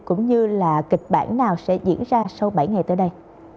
cũng như là kịch bản nào sẽ diễn ra sau bảy ngày tới đây